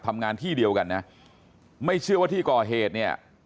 ทำงานที่เดียวกันนะไม่เชื่อว่าที่ก่อเหตุเนี่ย